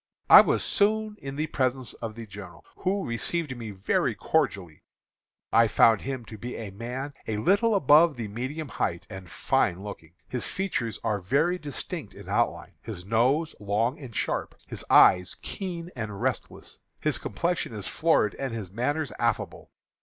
"I was soon in the presence of the general, who received me very cordially. I found him to be a man a little above the medium height, and fine looking. His features are very distinct in outline, his nose long and sharp, his eye keen and restless. His complexion is florid and his manners affable.